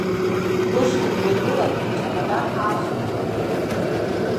Рушьни дҩагылан, ичамадан аашьҭихит.